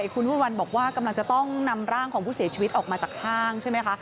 คุณวันบอกว่ากำลังจะต้องนำร่างของผู้เสียชีวิตออกมาจากห้างใช่ไหมคะ